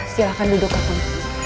silahkan duduk kakak